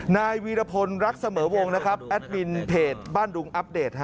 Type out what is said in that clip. นายวีรพลรักเสมอวงนะครับแอดมินเพจบ้านดุงอัปเดต